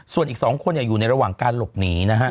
ส่วนอีก๒คนอยู่ในระหว่างการหลบหนีนะฮะ